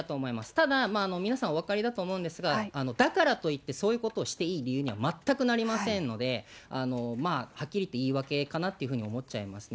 ただ、皆さん、お分かりだと思うんですが、だからといって、そういうことをしていい理由には全くなりませんので、はっきり言って、言い訳かなっていうふうに思っちゃいますね。